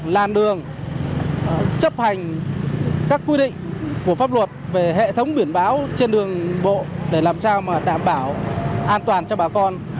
làn đường chấp hành các quy định của pháp luật về hệ thống biển báo trên đường bộ để làm sao mà đảm bảo an toàn cho bà con